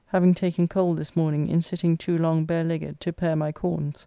having taken cold this morning in sitting too long bare legged to pare my corns.